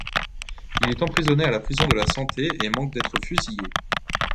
Il est emprisonné à la prison de la Santé et manque d’être fusillé.